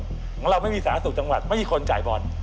เพราะเราไม่มีสหรัฐศูนย์จังหวัดไม่มีคนจ่ายบ่อน